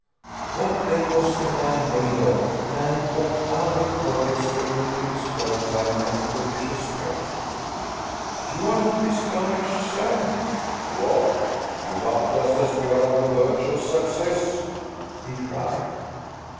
What, then, was the man made of, and what other projects were entering his fertile and audacious brain! "You are not discouraged, sir?" "What! Give up just as we are on the verge of success?" he cried.